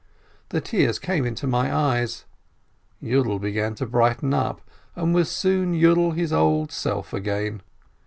The tears came into my eyes. Yiidel began to brighten up, and was soon Yiidel, his old self, again.